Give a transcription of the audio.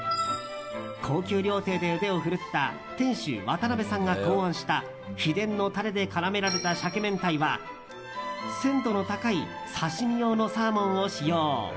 高級料亭で腕を振るった店主渡辺さんが考案した秘伝のタレで絡められた鮭明太は鮮度の高い刺し身用のサーモンを使用。